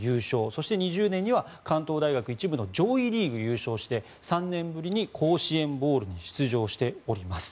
そして２０年には関東大学１部の上位リーグ、優勝して３年ぶりに甲子園ボウルに出場しております。